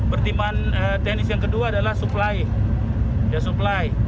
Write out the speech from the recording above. pertimbangan teknis yang kedua adalah supply supply